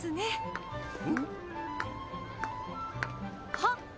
あっ！